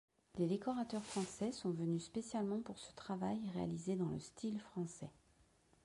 Des décorateurs français sont venus spécialement pour ce travail réalisé dans le style français.